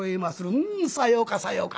「うんさようかさようか。